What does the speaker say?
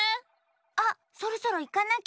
あっそろそろいかなきゃ。